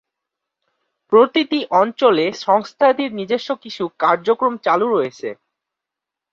প্রতিটি অঞ্চলে সংস্থাটির নিজস্ব কিছু কার্যক্রম চালু রয়েছে।